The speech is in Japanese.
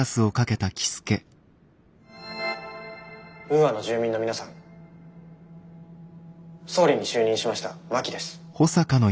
ウーアの住民の皆さん総理に就任しました真木です。